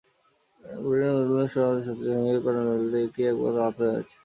Monier-Williams সহ শাস্ত্রীয় সংস্কৃতের প্রামাণিক অভিধানে এটিই একমাত্র অর্থ দেওয়া হয়েছে।